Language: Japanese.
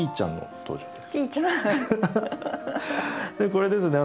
これですね